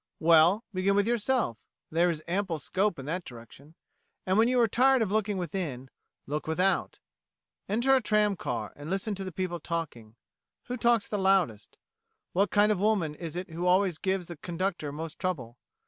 Well, begin with yourself; there is ample scope in that direction. And when you are tired of looking within look without. Enter a tram car and listen to the people talking. Who talks the loudest? What kind of woman is it who always gives the conductor most trouble?